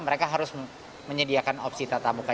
mereka harus menyediakan opsi tatap muka